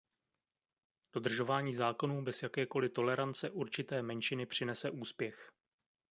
Dodržování zákonů bez jakékoli tolerance určité menšiny přinese úspěch.